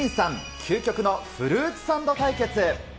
究極のフルーツサンド対決。